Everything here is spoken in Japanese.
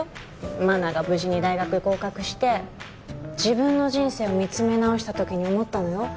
茉奈が無事に大学合格して自分の人生を見つめ直したときに思ったのよ